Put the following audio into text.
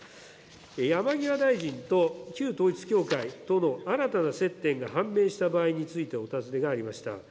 山際大臣と旧統一教会との新たな接点が判明した場合についてお尋ねがありました。